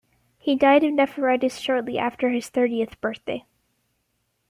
He died of nephritis shortly after his thirtieth birthday.